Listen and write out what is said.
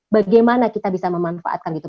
bagaimana kita bisa memanfaatkan itu